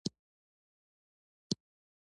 ناکامه ډيپلوماسي د بهرني سیاست ناکامي ښيي.